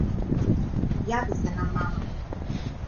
Јави се на мама.